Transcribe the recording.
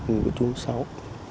nghị quyết trung sáu